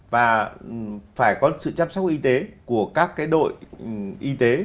và phải có sự chăm sóc y tế của các đội y tế